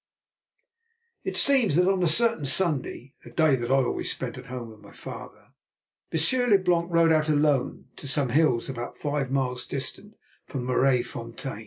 It seems that on a certain Sunday, a day that I always spent at home with my father, Monsieur Leblanc rode out alone to some hills about five miles distant from Maraisfontein.